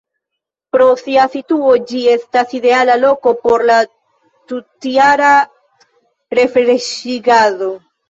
Pro sia situo ĝi estas ideala loko por la tutjara refreŝigado.